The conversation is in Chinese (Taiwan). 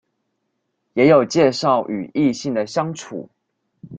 也有介紹與異性的相處